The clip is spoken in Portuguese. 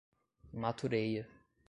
Matureia